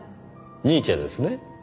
ニーチェですね。